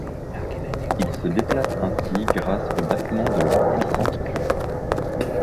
Ils se déplacent ainsi grâce aux battements de leur puissante queue.